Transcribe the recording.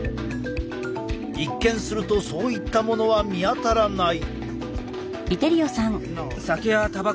一見するとそういったものは見当たらない。